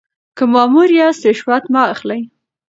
که مامور یاست رشوت مه اخلئ.